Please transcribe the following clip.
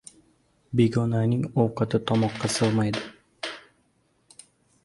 • Begonaning ovqati tomoqqa sig‘maydi.